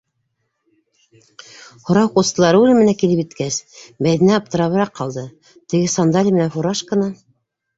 Һорау ҡустылары үлеменә килеп еткәс, Мәҙинә аптырабыраҡ ҡалды: теге сандали менән фуражканы...